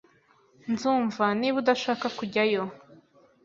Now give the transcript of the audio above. Nzumva niba udashaka kujyayo